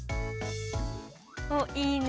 おっいいね。